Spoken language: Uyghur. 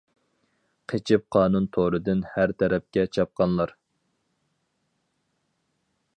قېچىپ قانۇن تورىدىن ھەر تەرەپكە چاپقانلار.